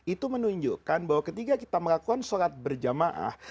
itu menunjukkan bahwa ketika kita melakukan sholat berjamaah